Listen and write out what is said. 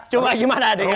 coba gimana adegannya